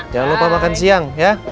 jangan lupa makan siang ya